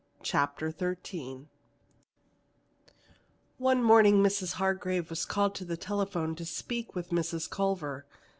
CHAPTER XIII One morning Mrs. Hargrave was called to the telephone to speak with Mrs. Culver.